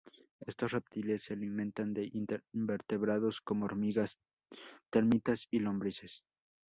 Estos reptiles se alimentan de invertebrados, como hormigas, termitas y lombrices.